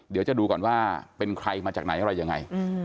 เดี๋ยวจะดูก่อนว่าเป็นใครมาจากไหนอะไรยังไง